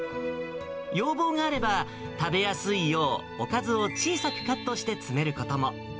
要望があれば、食べやすいよう、おかずを小さくカットして詰めることも。